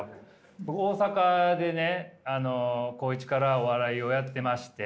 僕大阪でね高１からお笑いをやってまして。